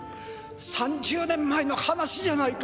３０年前の話じゃないか。